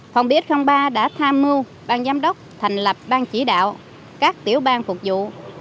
phòng bs ba đã tham mưu ban giám đốc thành lập ban chỉ đạo các tiểu ban phục vụ